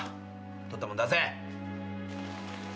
取ったもん出せ！